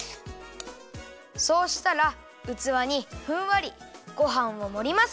そうしたらうつわにふんわりごはんをもります。